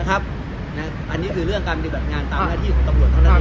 อันนี้คือเรื่องการปฏิบัติงานตามหน้าที่ของตำรวจเท่านั้นเอง